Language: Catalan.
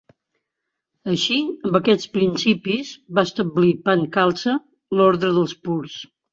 Així, amb aquests principis va establir Panth Khalsa, l'Ordre dels Purs.